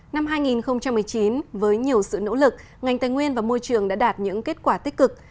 năm hai nghìn một mươi chín với nhiều sự nỗ lực ngành tài nguyên và môi trường đã đạt những kết quả tích cực